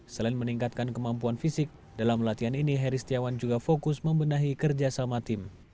selain meningkatkan kemampuan fisik dalam latihan ini heri setiawan juga fokus membenahi kerjasama tim